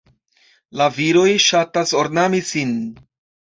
La viroj ŝatas ornami sin.